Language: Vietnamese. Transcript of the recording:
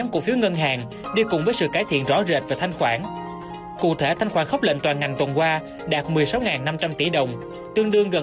cụ phiếu ngân hàng vừa qua đã có một tuần phục hồi rất là tốt